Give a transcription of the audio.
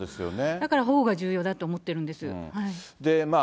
だから保護が重要だと思ってるんです。